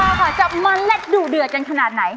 กรรมปฏิการค่ะจะมาเล่ดดูเดือดกันขนาดไหน